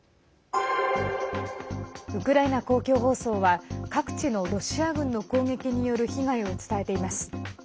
ウクライナ公共放送は各地のロシア軍の攻撃による被害を伝えています。